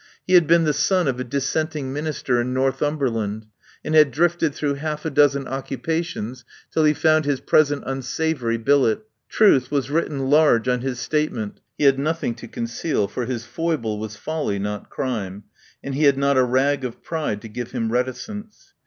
He had been the son of a dissenting minister in Northumberland, and had drifted through half a dozen occupations till he found his present unsavoury billet. Truth was written large on his statement, he had nothing to conceal, for his foible was folly, not crime, and he had not a rag of pride to give him reticence.